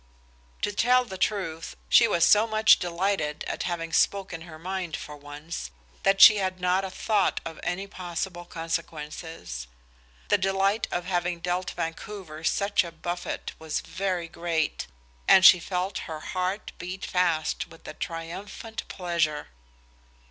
To tell the truth, she was so much delighted at having spoken her mind for once, that she had not a thought of any possible consequences. The delight of having dealt Vancouver such a buffet was very great, and she felt her heart beat fast with a triumphant pleasure.